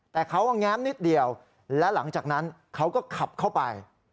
แต่เขาก็แง้มนิดเดียวและหลังจากนั้นเขาก็ขับเข้าไป